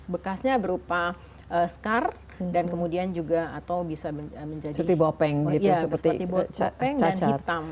bekasnya berupa skar dan kemudian juga bisa menjadi seperti bopeng dan hitam